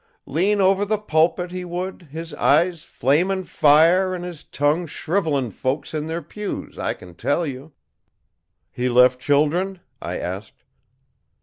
Lean over the pulpit, he would, his eyes flamin' fire an' his tongue shrivellin' folks in their pews, I can tell you!" "He left children?" I asked.